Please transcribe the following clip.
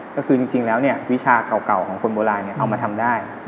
ก็คือจริงแล้ววิชาเก่าของคนโบราณเอามาทำได้